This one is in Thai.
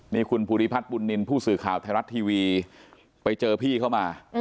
นี่คุณภูริพัฒน์บุญนินทร์ผู้สื่อข่าวไทยรัฐทีวีไปเจอพี่เข้ามา